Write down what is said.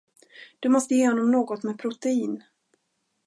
Du måste ge honom något med protein.